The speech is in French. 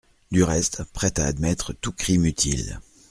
Du reste, prête à admettre tout crime utile.